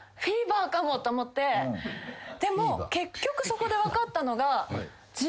でも結局そこで分かったのが。